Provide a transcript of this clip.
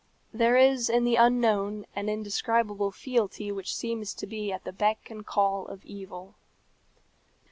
There is in the unknown an indescribable fealty which seems to be at the beck and call of evil.